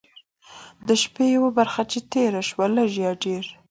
د شپې یوه برخه چې تېره شوه لږ یا ډېر.